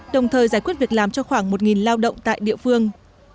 đồng thời giải quyết việc làm cho khoảng một lao động tại địa phương